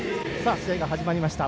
試合が始まりました。